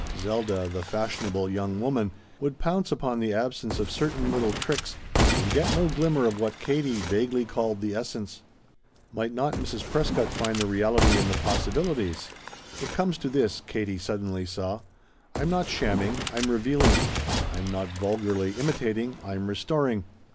Zelda, the fashionable young woman, would pounce upon the absence of certain little tricks and get no glimmer of what Katie vaguely called the essence. Might not Mrs. Prescott find the reality in the possibilities? "It comes to this," Katie suddenly saw, "I'm not shamming, I'm revealing. I'm not vulgarly imitating; I'm restoring.